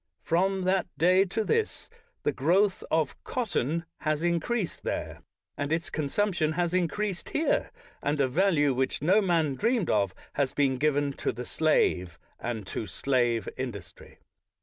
From that day to this the growth of cotton has increased there, and its consumption has increased here, and a value which no man dreamed of has been given to the slave and to slave industry.